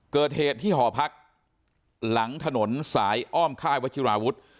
เกิดเหตุที่หอพรรคหลังถนนสายห้ออ้อมค่ายวัชฌิวาชน์วุฒิ